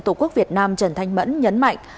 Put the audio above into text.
tổ quốc việt nam trần thanh mẫn nhấn mạnh